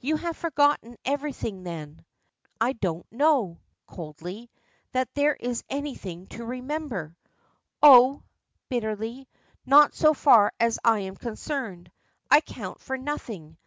"You have forgotten everything then." "I don't know," coldly, "that there is anything to remember." "Oh!" bitterly, "not so far as I am concerned. I count for nothing.